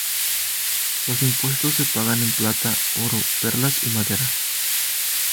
Los impuestos se pagan en plata, oro, perlas y madera.